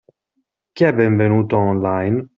Chi è benvenuto “online”?